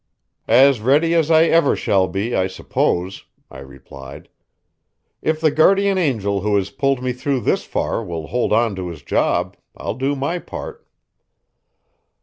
"As ready as I ever shall be, I suppose," I replied. "If the guardian angel who has pulled me through this far will hold on to his job, I'll do my part."